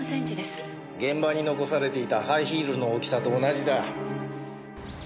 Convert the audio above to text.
現場に残されていたハイヒールの大きさと同じだ。